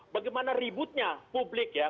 bagaimana ributnya publik ya